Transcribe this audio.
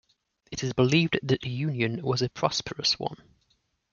It is believed that the union was a prosperous one.